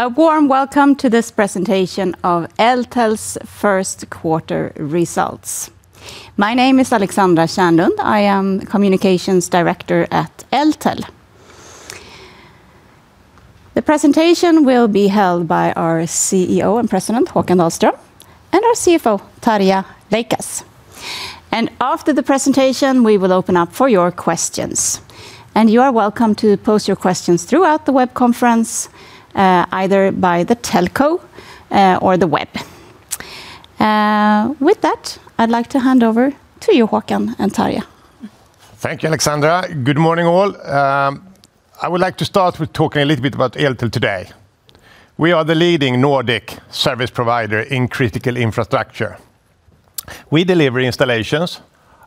A warm welcome to this presentation of Eltel's first quarter results. My name is Alexandra Kärnlund. I am communications director at Eltel. The presentation will be held by our CEO and President, Håkan Dahlström, and our CFO, Tarja Leikas. After the presentation, we will open up for your questions. You are welcome to post your questions throughout the web conference, either by the telco or the web. With that, I'd like to hand over to you, Håkan and Tarja. Thank you, Alexandra. Good morning, all. I would like to start with talking a little bit about Eltel today. We are the leading Nordic service provider in critical infrastructure. We deliver installations,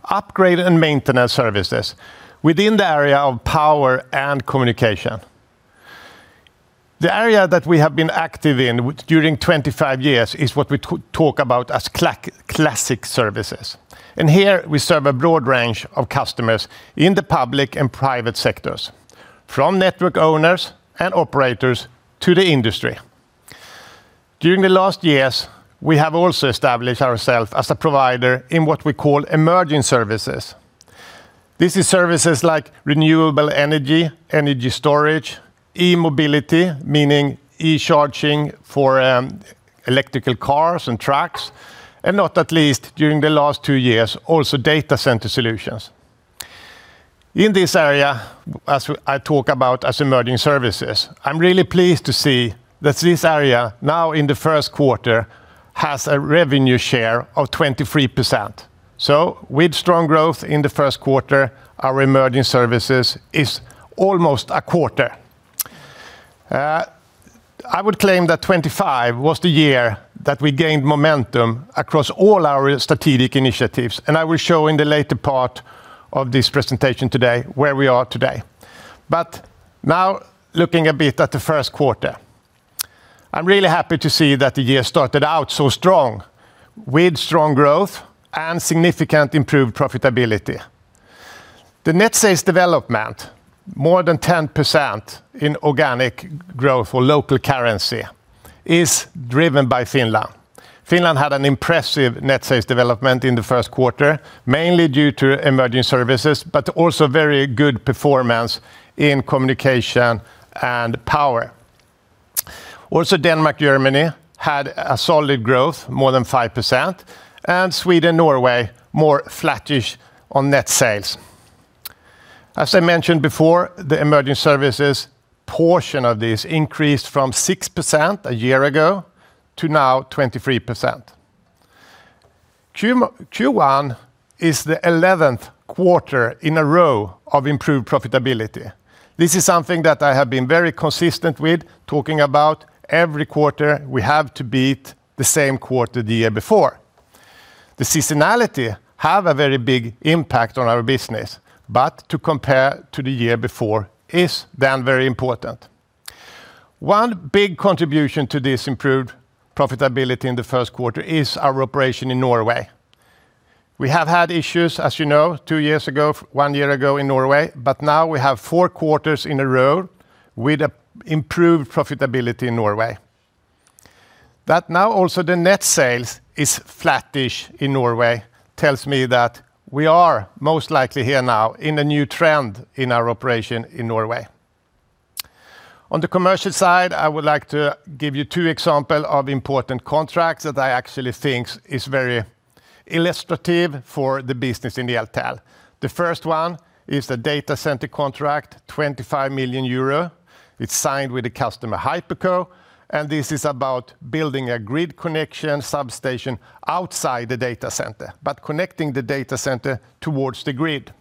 upgrade and maintenance services within the area of power and communication. The area that we have been active in during 25 years is what we talk about as classic services, and here we serve a broad range of customers in the public and private sectors, from network owners and operators to the industry. During the last years, we have also established ourself as a provider in what we call emerging services. This is services like renewable energy storage, e-mobility, meaning e-charging for electrical cars and trucks, and not at least during the last two years, also data center solutions. In this area, as I talk about as Emerging Services, I'm really pleased to see that this area now in the first quarter has a revenue share of 23%. With strong growth in the first quarter, our Emerging Services is almost a quarter. I would claim that 2025 was the year that we gained momentum across all our strategic initiatives, and I will show in the later part of this presentation today where we are today. Now looking a bit at the first quarter, I'm really happy to see that the year started out so strong with strong growth and significant improved profitability. The net sales development more than 10% in organic growth or local currency is driven by Finland. Finland had an impressive net sales development in the first quarter, mainly due to Emerging Services, but also very good performance in communication services and power services. Denmark, Germany had a solid growth, more than 5%, and Sweden, Norway more flattish on net sales. As I mentioned before, the emerging services portion of this increased from 6% a year ago to now 23%. Q1 is the 11th quarter in a row of improved profitability. This is something that I have been very consistent with talking about every quarter we have to beat the same quarter the year before. The seasonality have a very big impact on our business, but to compare to the year before is then very important. One big contribution to this improved profitability in the first quarter is our operation in Norway. We have had issues, as you know, two years ago, one year ago in Norway, but now we have four quarters in a row with a improved profitability in Norway. Now also the net sales is flattish in Norway tells me that we are most likely here now in a new trend in our operation in Norway. On the commercial side, I would like to give you two examples of important contracts that I actually think is very illustrative for the business in Eltel. The first one is the data center contract, 25 million euro. It's signed with the customer Hyperco, and this is about building a grid connection substation outside the data center, but connecting the data center towards the grid.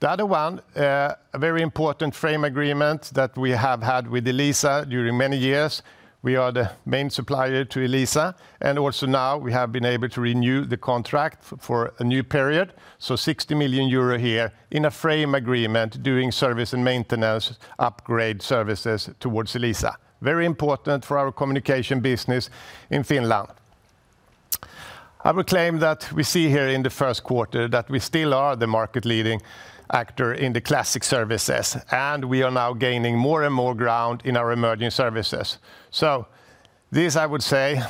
The other one, a very important frame agreement that we have had with Elisa during many years. We are the main supplier to Elisa, and also now we have been able to renew the contract for a new period. 60 million euro here in a frame agreement doing service and maintenance, upgrade services towards Elisa. Very important for our communication business in Finland. I would claim that we see here in the first quarter that we still are the market leading actor in the classic services, and we are now gaining more and more ground in our emerging services. This I would say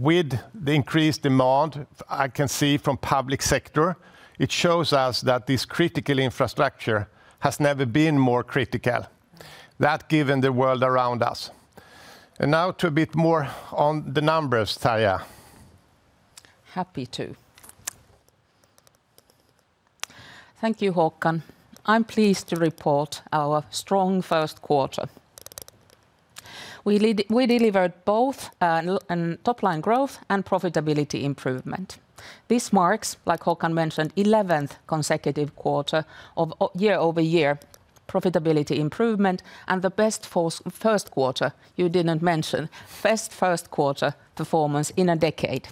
with the increased demand I can see from public sector, it shows us that this critical infrastructure has never been more critical, that given the world around us. Now to a bit more on the numbers, Tarja. Happy to. Thank you, Håkan. I'm pleased to report our strong first quarter. We delivered both an top line growth and profitability improvement. This marks, like Håkan mentioned, 11th consecutive quarter of year-over-year profitability improvement and the best first quarter you did not mention, best first quarter performance in a decade.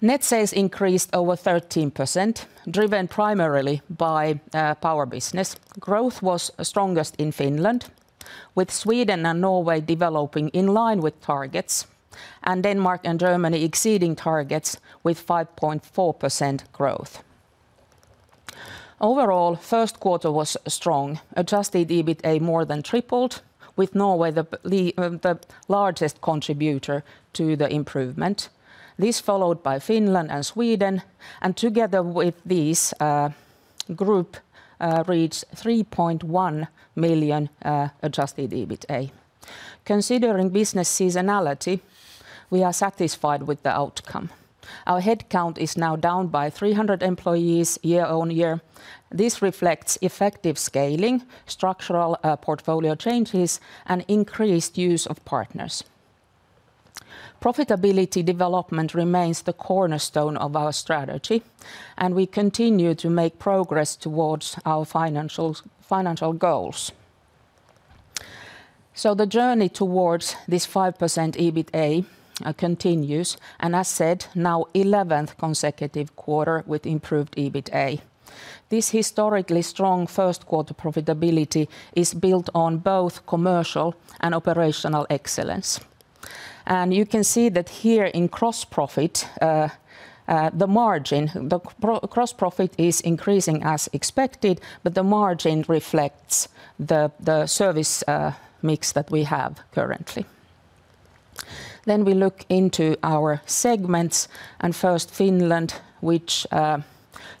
Net sales increased over 13%, driven primarily by power business. Growth was strongest in Finland, with Sweden and Norway developing in line with targets, and Denmark and Germany exceeding targets with 5.4% growth. Overall, first quarter was strong. Adjusted EBITA more than tripled with Norway the largest contributor to the improvement. This followed by Finland and Sweden, and together with this, group reached 3.1 million adjusted EBITA. Considering business seasonality, we are satisfied with the outcome. Our headcount is now down by 300 employees year-on-year. This reflects effective scaling, structural portfolio changes, and increased use of partners. Profitability development remains the cornerstone of our strategy, and we continue to make progress towards our financial goals. The journey towards this 5% EBITA continues, and as said, now 11th consecutive quarter with improved EBITA. This historically strong first quarter profitability is built on both commercial and operational excellence. You can see that here in gross profit, the margin, the gross profit is increasing as expected, but the margin reflects the service mix that we have currently. We look into our segments, and first Finland, which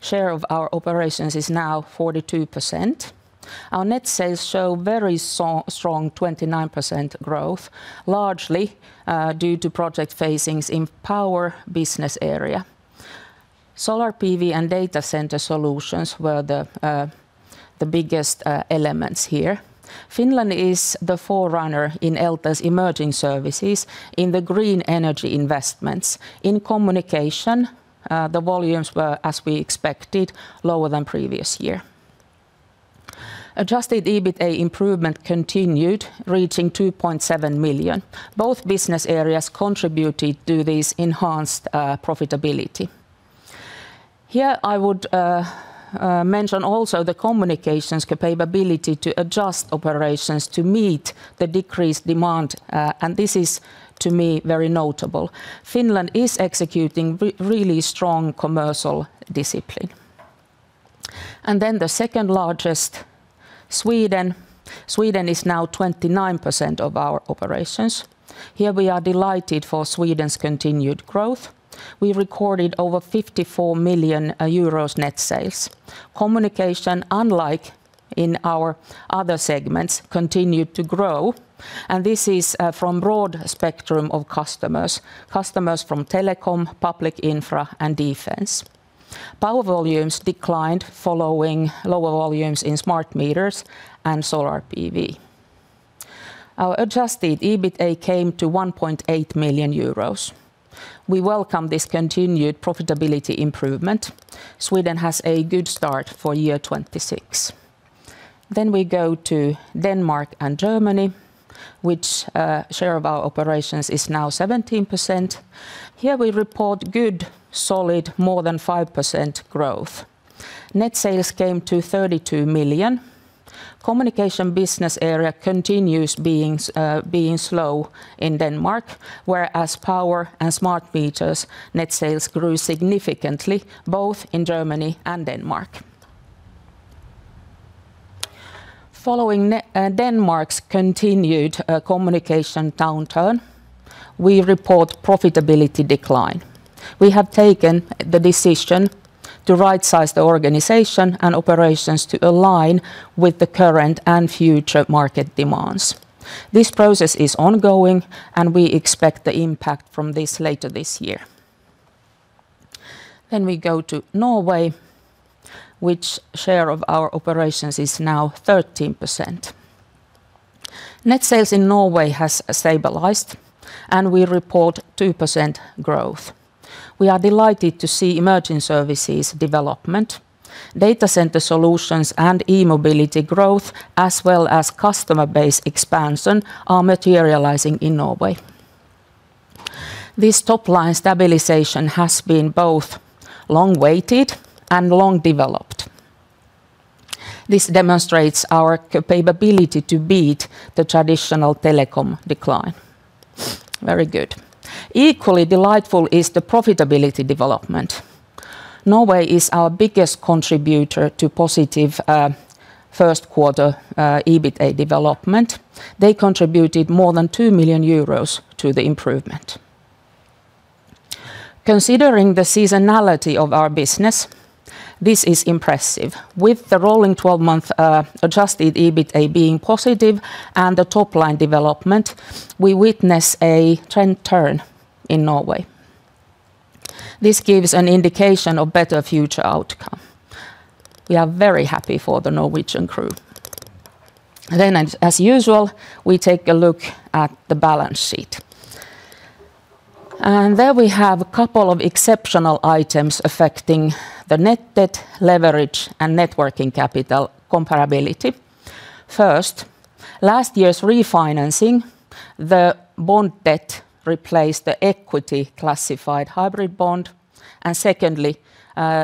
share of our operations is now 42%. Our net sales show very strong 29% growth, largely due to project phasings in power business area. Solar PV and data center solutions were the biggest elements here. Finland is the forerunner in Eltel's emerging services in the green energy investments. In communication, the volumes were as we expected, lower than previous year. Adjusted EBITA improvement continued, reaching 2.7 million. Both business areas contributed to this enhanced profitability. Here I would mention also the communications capability to adjust operations to meet the decreased demand. This is, to me, very notable. Finland is executing really strong commercial discipline. The second largest, Sweden. Sweden is now 29% of our operations. Here we are delighted for Sweden's continued growth. We recorded over 54 million euros net sales. Communication, unlike in our other segments, continued to grow. This is from broad spectrum of customers from telecom, public infrastructure, and defense. Power volumes declined following lower volumes in smart meters and solar PV. Our adjusted EBITA came to 1.8 million euros. We welcome this continued profitability improvement. Sweden has a good start for year 2026. We go to Denmark and Germany, which share of our operations is now 17%. Here we report good, solid, more than 5% growth. Net sales came to 32 million. Communication Business Area continues being slow in Denmark, whereas power and smart meters net sales grew significantly both in Germany and Denmark. Following Denmark's continued communication downturn, we report profitability decline. We have taken the decision to rightsize the organization and operations to align with the current and future market demands. This process is ongoing, and we expect the impact from this later this year. We go to Norway, which share of our operations is now 13%. Net sales in Norway has stabilized. We report 2% growth. We are delighted to see emerging services development, data center solutions, and e-mobility growth, as well as customer base expansion are materializing in Norway. This top-line stabilization has been both long-waited and long-developed. This demonstrates our capability to beat the traditional telecom decline. Very good. Equally delightful is the profitability development. Norway is our biggest contributor to positive first quarter EBITA development. They contributed more than 2 million euros to the improvement. Considering the seasonality of our business, this is impressive. With the rolling 12-month adjusted EBITA being positive and the top line development, we witness a trend turn in Norway. This gives an indication of better future outcome. We are very happy for the Norwegian crew. As usual, we take a look at the balance sheet. There we have a couple of exceptional items affecting the net debt leverage and net working capital comparability. First, last year's refinancing the bond debt replaced the equity classified hybrid bond. Secondly,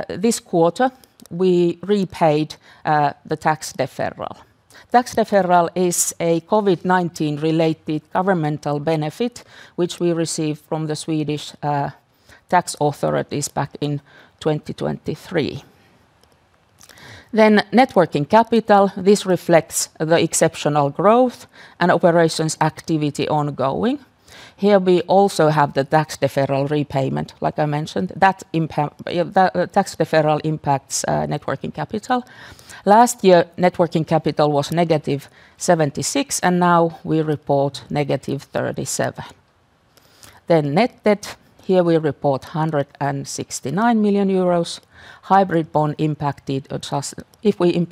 this quarter, we repaid the tax deferral. Tax deferral is a COVID-19 related governmental benefit which we receive from the Swedish Tax authorities back in 2023. Net working capital. This reflects the exceptional growth and operations activity ongoing. Here we also have the tax deferral repayment, like I mentioned. The tax deferral impacts net working capital. Last year, net working capital was -76, and now we report -37. Net debt. Here we report 169 million euros. Hybrid bond impacted adjust... If we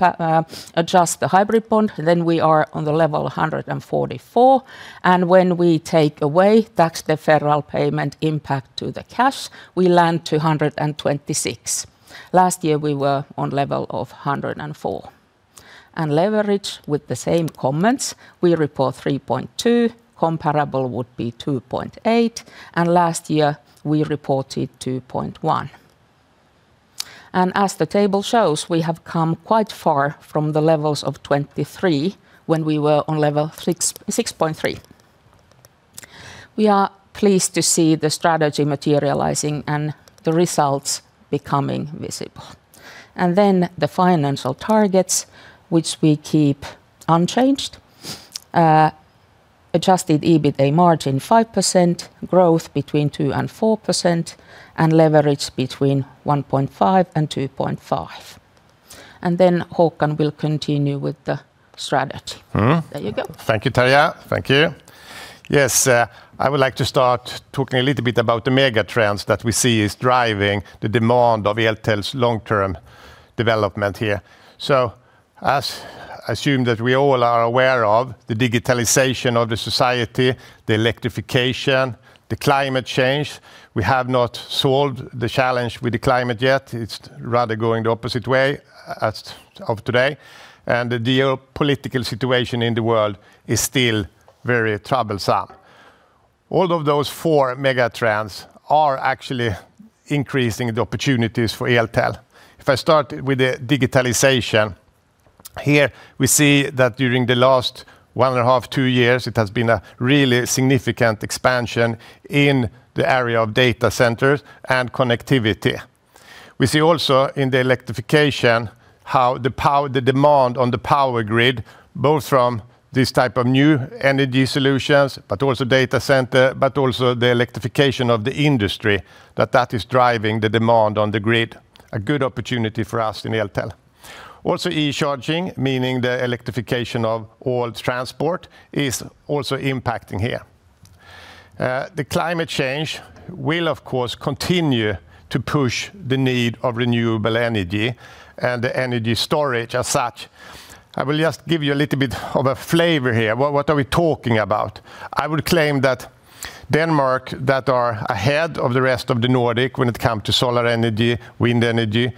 adjust the hybrid bond, we are on the level 144, and when we take away tax deferral payment impact to the cash, we land 226. Last year we were on level of 104. Leverage with the same comments, we report 3.2. Comparable would be 2.8, last year we reported 2.1. As the table shows, we have come quite far from the levels of 2023 when we were on level 6.3. We are pleased to see the strategy materializing and the results becoming visible. The financial targets, which we keep unchanged. Adjusted EBITA margin 5%, growth between 2% and 4%, and leverage between 1.5 and 2.5. Håkan will continue with the strategy. Mm. There you go. Thank you, Tarja. Thank you. Yes, I would like to start talking a little bit about the mega trends that we see is driving the demand of Eltel's long-term development here. As assumed that we all are aware of the digitalization of the society, the electrification, the climate change, we have not solved the challenge with the climate yet. It's rather going the opposite way as of today, and the geopolitical situation in the world is still very troublesome. All of those four mega trends are actually increasing the opportunities for Eltel. If I start with the digitalization, here we see that during the last one and a half, two years, it has been a really significant expansion in the area of data centers and connectivity. We see also in the electrification how the demand on the power grid, both from this type of new energy solutions, but also data center, but also the electrification of the industry, that that is driving the demand on the grid, a good opportunity for us in Eltel. Also e-charging, meaning the electrification of all transport, is also impacting here. The climate change will of course continue to push the need of renewable energy and the energy storage as such. I will just give you a little bit of a flavor here. What are we talking about? I would claim that Denmark, that are ahead of the rest of the Nordic when it comes to solar energy, wind energy,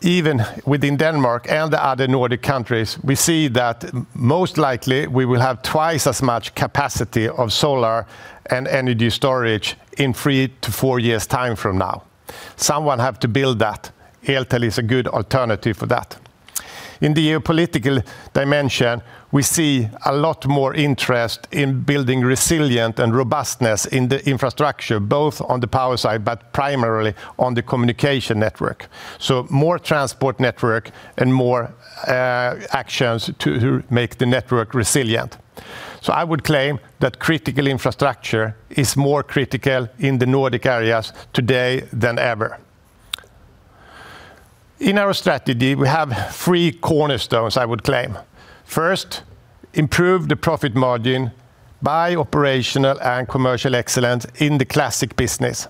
even within Denmark and the other Nordic countries, we see that most likely we will have twice as much capacity of solar and energy storage in three to four years' time from now. Someone have to build that. Eltel is a good alternative for that. In the geopolitical dimension, we see a lot more interest in building resilient and robustness in the infrastructure, both on the power side, but primarily on the communication network. More transport network and more actions to make the network resilient. I would claim that critical infrastructure is more critical in the Nordic areas today than ever. In our strategy, we have three cornerstones, I would claim. First, improve the profit margin by operational and commercial excellence in the classic services.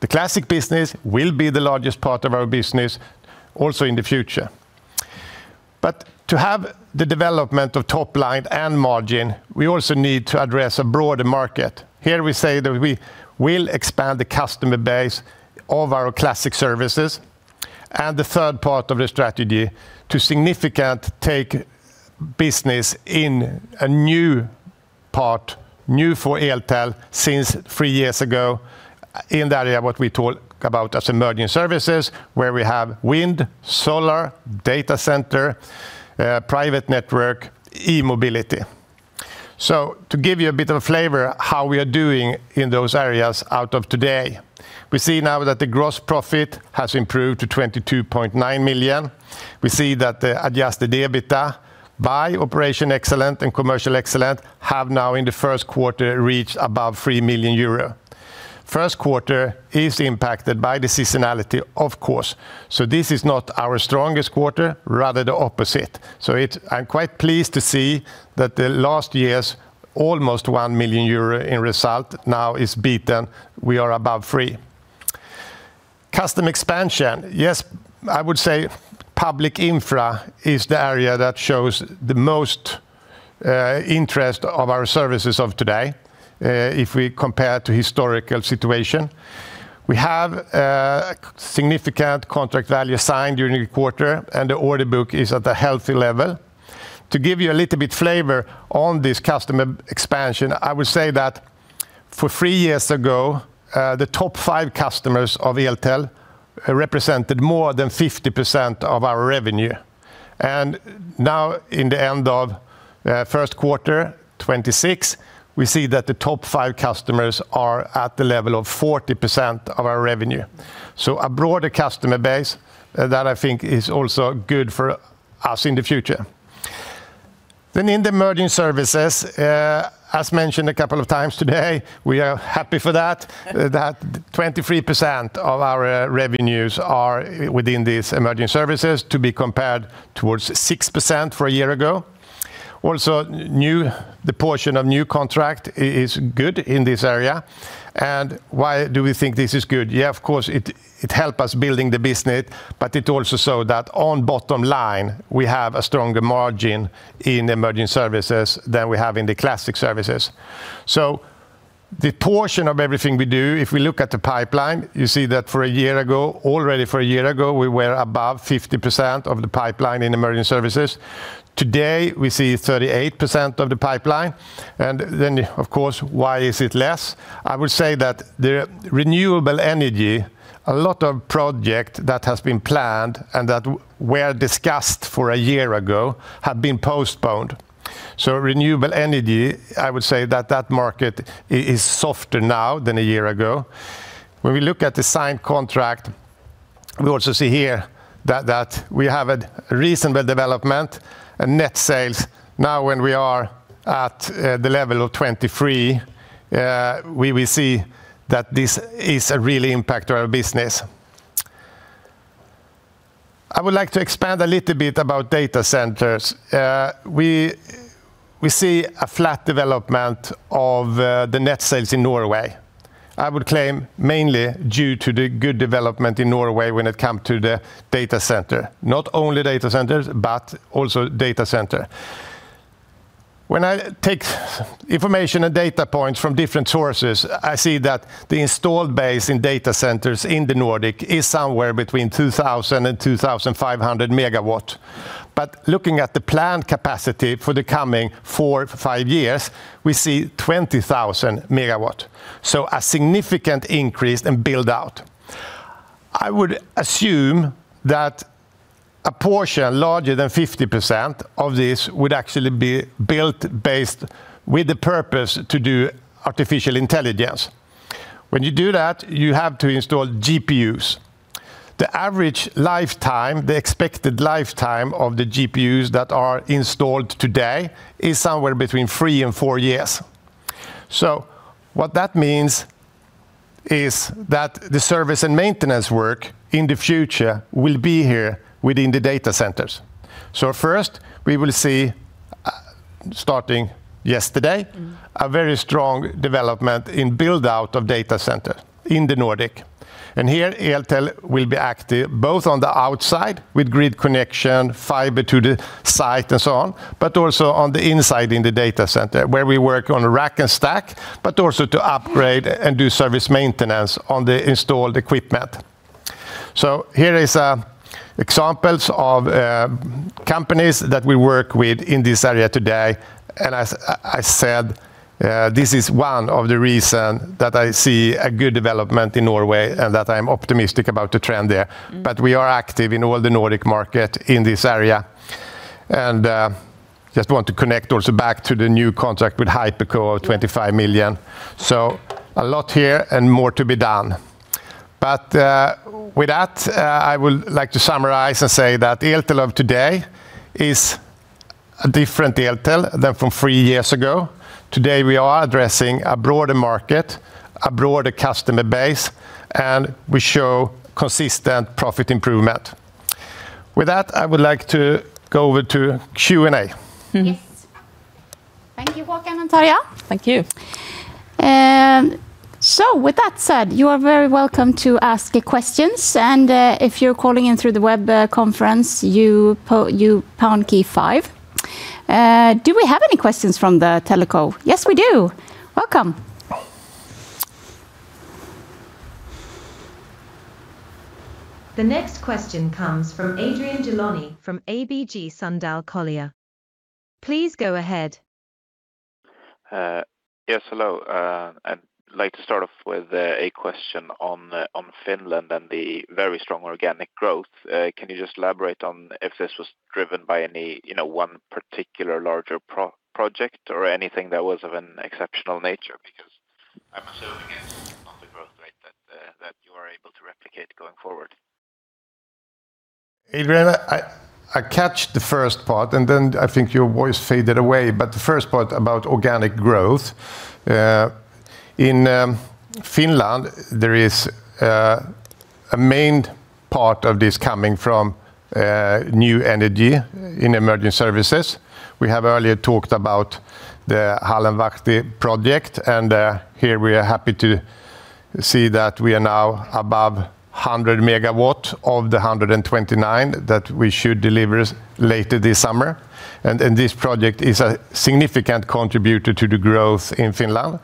The classic services will be the largest part of our business also in the future. To have the development of top line and margin, we also need to address a broader market. Here we say that we will expand the customer base of our classic services. The third part of the strategy, to significant take business in a new part, new for Eltel since three years ago, in the area what we talk about as emerging services, where we have wind, solar, data center, private network, e-mobility. To give you a bit of a flavor how we are doing in those areas out of today, we see now that the gross profit has improved to 22.9 million. We see that the adjusted EBITA by Classic Services and Emerging Services have now in the first quarter reached above 3 million euro. First quarter is impacted by the seasonality, of course. This is not our strongest quarter, rather the opposite. I'm quite pleased to see that the last year's almost 1 million euro in result now is beaten. We are above 3 million. Customer expansion, yes, I would say public infrastructure is the area that shows the most interest of our services of today, if we compare to historical situation. We have significant contract value signed during the quarter, and the order book is at a healthy level. To give you a little bit flavor on this customer expansion, I would say that for three years ago, the top five customers of Eltel represented more than 50% of our revenue. Now in the end of first quarter 2026, we see that the top five customers are at the level of 40% of our revenue. A broader customer base that I think is also good for us in the future. In the emerging services, as mentioned a couple of times today, we are happy for that 23% of our revenues are within these emerging services to be compared towards 6% for a year ago. Also, the portion of new contract is good in this area. Why do we think this is good? Yeah, of course it help us building the business, but it also show that on bottom line, we have a stronger margin in emerging services than we have in the classic services. The portion of everything we do, if we look at the pipeline, you see that for a year ago, already for a year ago, we were above 50% of the pipeline in emerging services. Today, we see 38% of the pipeline. Of course, why is it less? I would say that the renewable energy, a lot of project that has been planned and that were discussed for a year ago had been postponed. Renewable energy, I would say that that market is softer now than a year ago. When we look at the signed contract, we also see here that we have a reasonable development and net sales now when we are at the level of 2023, we will see that this is a real impact to our business. I would like to expand a little bit about data centers. We see a flat development of the net sales in Norway. I would claim mainly due to the good development in Norway when it come to the data center. Not only data centers, but also data center. When I take information and data points from different sources, I see that the installed base in data centers in the Nordic is somewhere between 2,000 MW and 2,500 MW. Looking at the planned capacity for the coming four, five years, we see 20,000 MW. A significant increase and build-out. I would assume that a portion larger than 50% of this would actually be built based with the purpose to do artificial intelligence. When you do that, you have to install GPUs. The average lifetime, the expected lifetime of the GPUs that are installed today is somewhere between three and four years. What that means is that the service and maintenance work in the future will be here within the data centers. First, we will see, starting yesterday- Mm-hmm ...a very strong development in build-out of data center in the Nordic. Here Eltel will be active both on the outside with grid connection, fiber to the site and so on, but also on the inside in the data center, where we work on rack and stack, but also to upgrade and do service maintenance on the installed equipment. Here is examples of companies that we work with in this area today. As I said, this is one of the reason that I see a good development in Norway and that I'm optimistic about the trend there. Mm-hmm. We are active in all the Nordic market in this area. Just want to connect also back to the new contract with Hyperco, 25 million. A lot here and more to be done. With that, I would like to summarize and say that Eltel of today is a different Eltel than from three years ago. Today, we are addressing a broader market, a broader customer base, and we show consistent profit improvement. With that, I would like to go over to Q&A. Yes. Thank you, Håkan and Tarja. Thank you. With that said, you are very welcome to ask questions. If you're calling in through the web conference, you pound key five. Do we have any questions from the teleco? Yes, we do. Welcome. The next question comes from Adrian Gilani from ABG Sundal Collier. Please go ahead. Yes, hello. I'd like to start off with a question on Finland and the very strong organic growth. Can you just elaborate on if this was driven by any, you know, one particular larger pro-project or anything that was of an exceptional nature? I'm assuming it's monthly growth rate that you are able to replicate going forward. Adrian, I catch the first part, and then I think your voice faded away. The first part about organic growth in Finland, there is a main part of this coming from new energy in emerging services. We have earlier talked about the Hallanvahti project, and here we are happy to see that we are now above 100 MW of the 129 MW that we should deliver later this summer. This project is a significant contributor to the growth in Finland.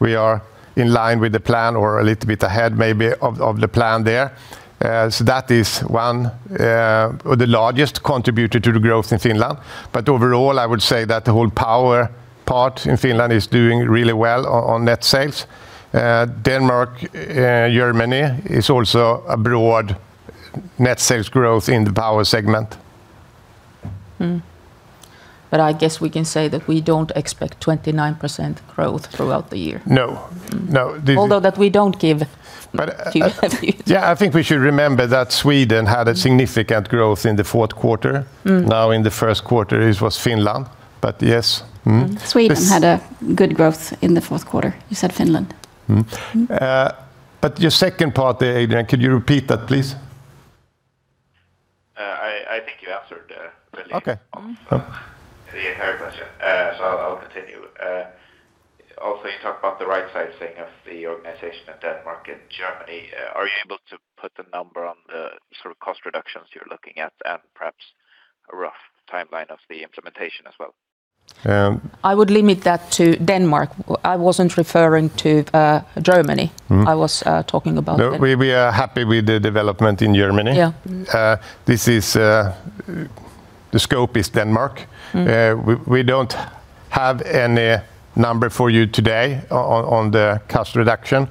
We are in line with the plan or a little bit ahead maybe of the plan there. That is one, the largest contributor to the growth in Finland. Overall, I would say that the whole power part in Finland is doing really well on net sales. Denmark, Germany is also a broad net sales growth in the power segment. Mm-hmm. I guess we can say that we don't expect 29% growth throughout the year. No. No. Although that we don't give. Yeah, I think we should remember that Sweden had a significant growth in the fourth quarter. Mm-hmm. Now in the first quarter it was Finland, but yes. Mm-hmm. Sweden had a good growth in the fourth quarter. You said Finland. Mm-hmm. Your second part there, Adrian, could you repeat that, please? I think you answered, really- Okay ...the entire question. I'll continue. Also you talk about the right sizing of the organization in Denmark and Germany. Are you able to put the number on the sort of cost reductions you're looking at, and perhaps a rough timeline of the implementation as well? Um- I would limit that to Denmark. I wasn't referring to Germany. Mm-hmm. I was talking about. No, we are happy with the development in Germany. Yeah. This is, the scope is Denmark. Mm-hmm. We don't have any number for you today on the cost reduction.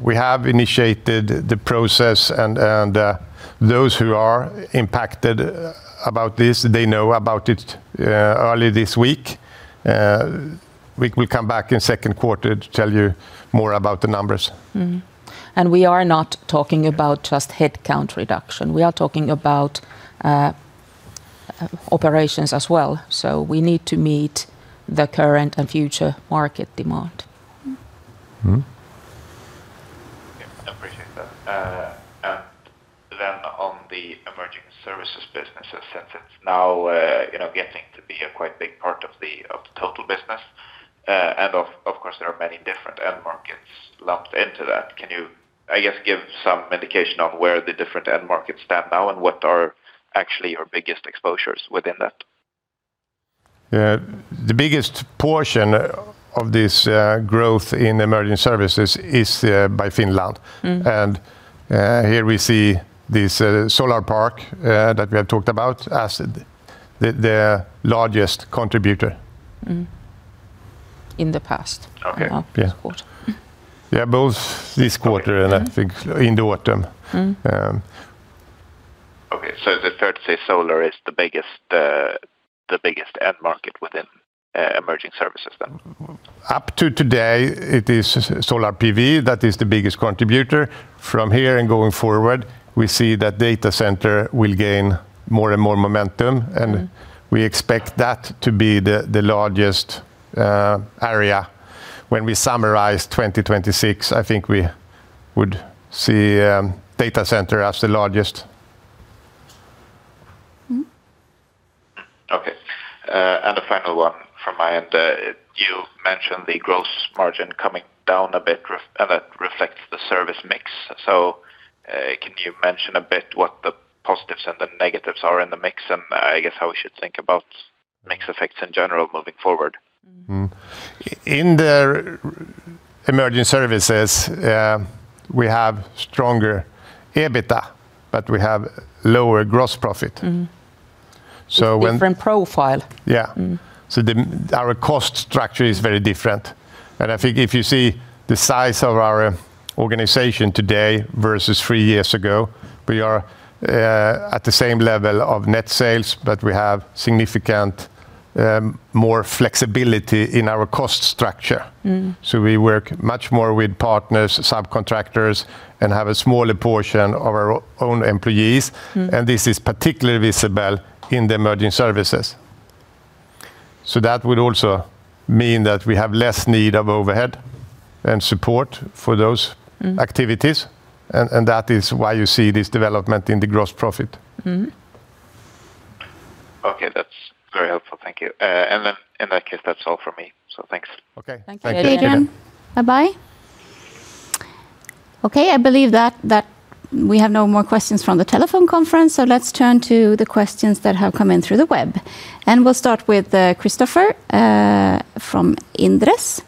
We have initiated the process and those who are impacted about this, they know about it early this week. We come back in second quarter to tell you more about the numbers. We are not talking about just head count reduction. We are talking about operations as well. We need to meet the current and future market demand. Mm-hmm. Yeah. I appreciate that. Then on the emerging services business assets now, you know, getting to be a quite big part of the total business. Of course, there are many different end markets lumped into that. Can you, I guess, give some indication on where the different end markets stand now, and what are actually your biggest exposures within that? The biggest portion of this growth in emerging services is by Finland. Mm-hmm. Here we see this solar park that we have talked about as the largest contributor. Mm-hmm. In the past. Okay. Yeah. This quarter. Yeah, both this quarter. Okay I think in the Autumn. Mm-hmm. Um... Okay. Is it fair to say solar is the biggest, the biggest end market within Emerging Services then? Up to today, it is solar PV that is the biggest contributor. From here and going forward, we see that data center will gain more and more momentum. We expect that to be the largest area. When we summarize 2026, I think we would see data center as the largest. Mm-hmm. Okay. A final one from my end. You mentioned the gross margin coming down a bit and that reflects the service mix. Can you mention a bit what the positives and the negatives are in the mix, and I guess how we should think about mix effects in general moving forward? Mm-hmm. In the emerging services, we have stronger EBITA, but we have lower gross profit. Mm-hmm. So when- It's different profile. Yeah. Mm-hmm. The, our cost structure is very different. I think if you see the size of our organization today versus three years ago, we are at the same level of net sales, but we have significant more flexibility in our cost structure. Mm-hmm. We work much more with partners, subcontractors, and have a smaller portion of our own employees. Mm-hmm. This is particularly visible in the emerging services. That would also mean that we have less need of overhead and support for those- Mm-hmm ...activities. That is why you see this development in the gross profit. Mm-hmm. Okay. That's very helpful. Thank you. In that case, that's all from me. Thanks. Okay. Thank you Adrian Thank you, Adrian. Thank you, Adrian. Bye-bye. Okay, I believe that we have no more questions from the telephone conference, so let's turn to the questions that have come in through the web. We'll start with Christopher from Inderes.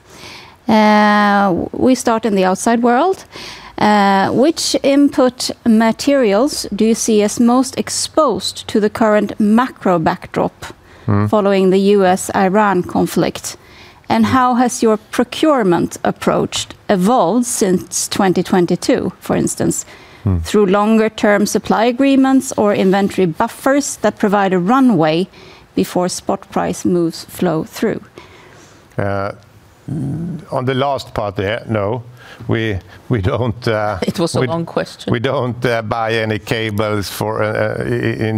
We start in the outside world. Which input materials do you see as most exposed to the current macro backdrop- Mm-hmm... following the U.S.-Iran conflict? How has your procurement approach evolved since 2022, for instance? Mm. Through longer term supply agreements or inventory buffers that provide a runway before spot price moves flow through. On the last part there, no, we don't- It was a long question.... we don't buy any cables for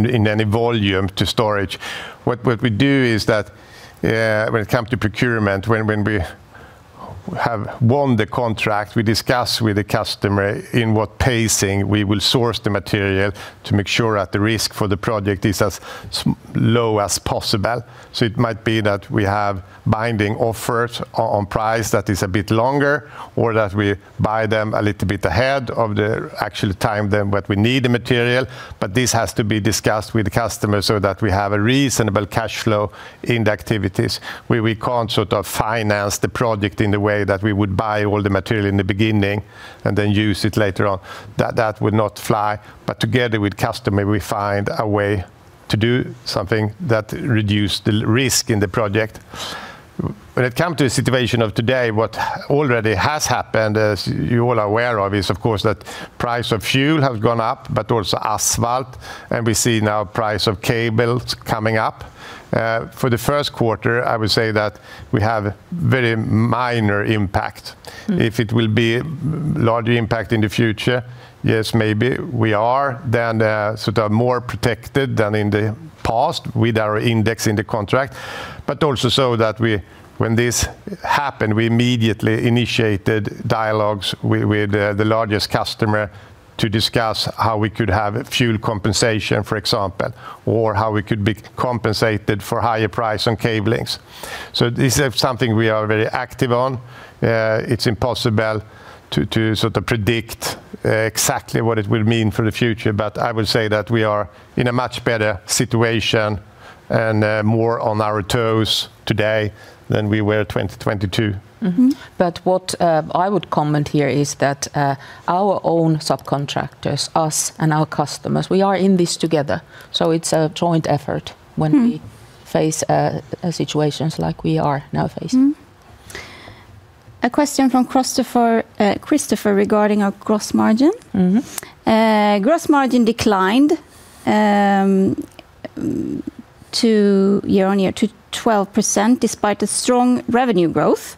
in any volume to storage. What we do is that, when it comes to procurement, when we have won the contract, we discuss with the customer in what pacing we will source the material to make sure that the risk for the project is as low as possible. It might be that we have binding offers on price that is a bit longer, or that we buy them a little bit ahead of the actual time than what we need the material. This has to be discussed with the customer so that we have a reasonable cash flow in the activities. We can't sort of finance the project in the way that we would buy all the material in the beginning and then use it later onThat would not fly. Together with customer, we find a way to do something that reduce the risk in the project. When it come to the situation of today, what already has happened, as you all are aware of, is of course that price of fuel has gone up, but also asphalt, and we see now price of cables coming up. For the first quarter, I would say that we have very minor impact. Mm. If it will be larger impact in the future, yes, maybe. We are, sort of more protected than in the past with our index in the contract. When this happened, we immediately initiated dialogues with the largest customer to discuss how we could have a fuel compensation, for example, or how we could be compensated for higher price on cable links. This is something we are very active on. It's impossible to sort of predict, exactly what it will mean for the future, but I would say that we are in a much better situation and, more on our toes today than we were 2022. Mm-hmm. What I would comment here is that our own subcontractors, us and our customers, we are in this together, so it's a joint effort- Mm... when we face situations like we are now facing. A question from Christopher regarding our gross margin. Mm. Gross margin declined year-on-year to 12% despite a strong revenue growth.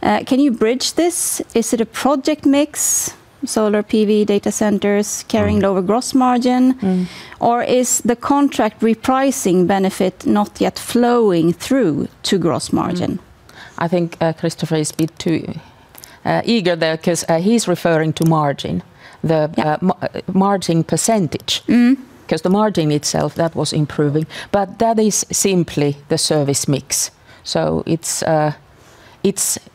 Can you bridge this? Is it a project mix, solar PV data centers carrying lower gross margin? Mm. Is the contract repricing benefit not yet flowing through to gross margin? I think Christopher is a bit too eager there 'cause he's referring to margin. Yeah Margin percentage. Mm. The margin itself, that was improving, but that is simply the service mix.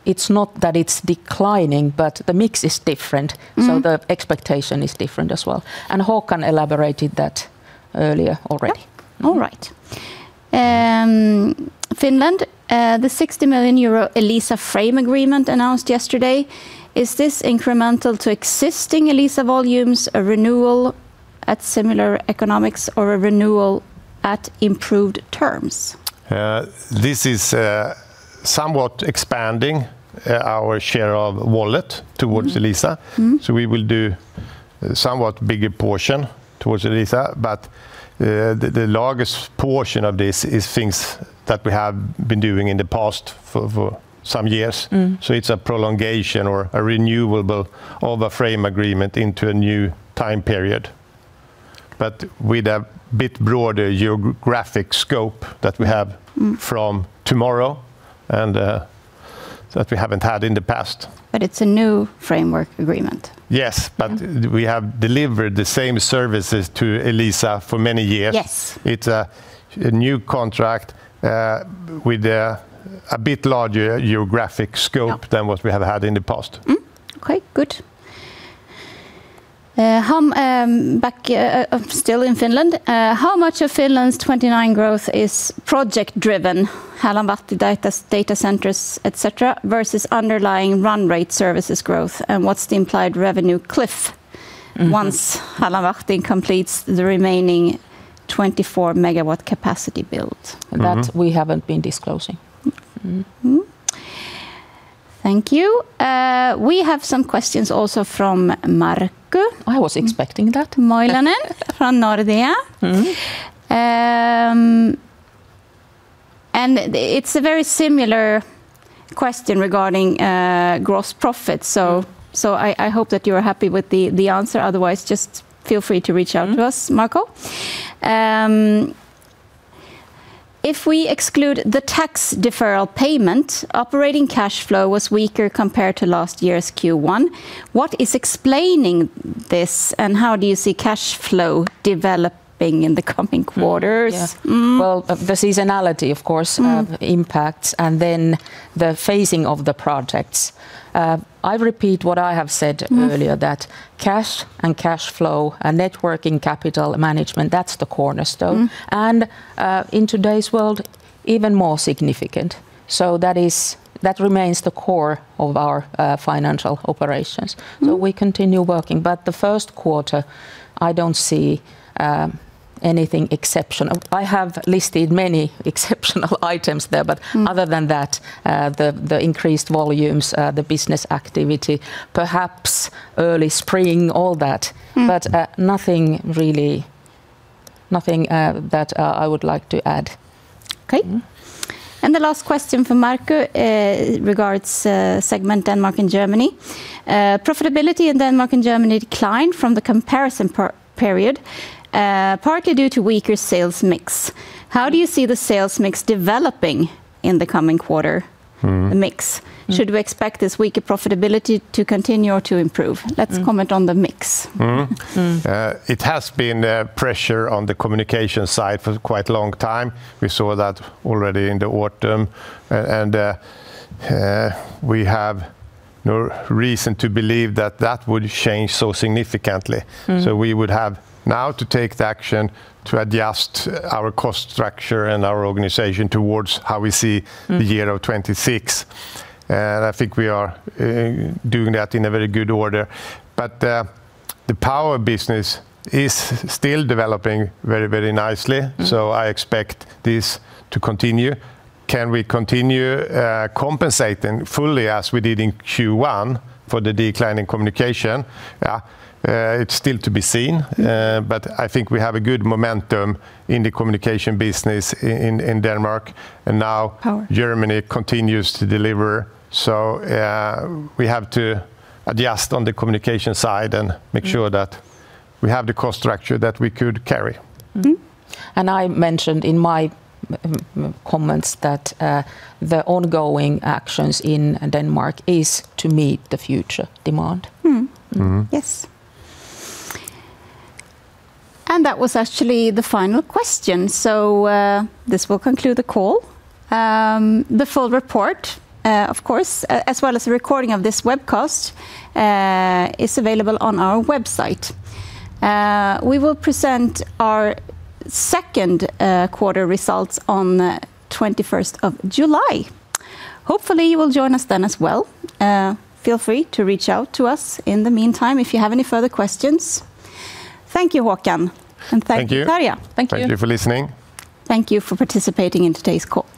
It's not that it's declining, but the mix is different. Mm. The expectation is different as well, and Håkan elaborated that earlier already. Yep. All right. Finland, the 60 million euro Elisa frame agreement announced yesterday, is this incremental to existing Elisa volumes, a renewal at similar economics, or a renewal at improved terms? This is somewhat expanding our share of wallet towards Elisa. Mm. Mm. We will do somewhat bigger portion towards Elisa, but the largest portion of this is things that we have been doing in the past for some years. Mm. It's a prolongation or a renewable of a frame agreement into a new time period, but with a bit broader geographic scope that we have- Mm... from tomorrow, that we haven't had in the past. It's a new framework agreement. Yes. Yeah We have delivered the same services to Elisa for many years. Yes. It's a new contract, with a bit larger geographic scope. Yeah Than what we have had in the past. Okay, good. Back, still in Finland. How much of Finland's 29 growth is project driven? Mm. ...data centers, etc, versus underlying run rate services growth, and what's the implied revenue cliff. Mm. Once Hallanvahti completes the remaining 24 MW capacity build? Mm. That we haven't been disclosing. Mm. Mm. Thank you. We have some questions also from Markku. I was expecting that.... Moilanen from Nordea. Mm. It's a very similar question regarding, gross profit, so I hope that you are happy with the answer. Otherwise, just feel free to reach out to us. Mm. Markku. If we exclude the tax deferral payment, operating cashflow was weaker compared to last year's Q1. What is explaining this, and how do you see cashflow developing in the coming quarters? Yeah. Mm. Well, the seasonality, of course- Mm.... of the impacts, and then the phasing of the projects. I repeat what I have said earlier- Mm. ...that cash and cashflow and net working capital management, that's the cornerstone. Mm. In today's world, even more significant, that is that remains the core of our financial operations. Mm. We continue working. The first quarter, I don't see anything exceptional. I have listed many exceptional items there. Mm. Other than that, the increased volumes, the business activity, perhaps early spring, all that. Mm. Nothing really, nothing that I would like to add. Okay. Mm. The last question from Markku regards segment Denmark and Germany. Profitability in Denmark and Germany declined from the comparison period partly due to weaker sales mix. How do you see the sales mix developing in the coming quarter? Mm. The mix. Mm. Should we expect this weaker profitability to continue or to improve? Mm. Let's comment on the mix. Mm. Mm. It has been pressure on the communication side for quite a long time. We saw that already in the autumn. We have no reason to believe that that would change so significantly. Mm. We would have now to take the action to adjust our cost structure and our organization towards- Mm.... the year of 2026, I think we are doing that in a very good order. The power business is still developing very, very nicely. Mm. I expect this to continue. Can we continue compensating fully as we did in Q1 for the decline in communication? It's still to be seen. Mm. I think we have a good momentum in the communication business in Denmark. Power.... Germany continues to deliver, we have to adjust on the communication side and make sure that we have the cost structure that we could carry. Mm. I mentioned in my comments that, the ongoing actions in Denmark is to meet the future demand. Mm. Mm. Yes. That was actually the final question, so this will conclude the call. The full report, of course, as well as a recording of this webcast, is available on our website. We will present our Second quarter results on the 21st of July. Hopefully you will join us then as well. Feel free to reach out to us in the meantime if you have any further questions. Thank you, Håkan. Thank you. Thank you, Tarja. Thank you. Thank you for listening. Thank you for participating in today's call.